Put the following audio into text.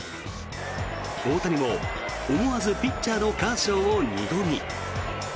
大谷も思わず、ピッチャーのカーショーを二度見。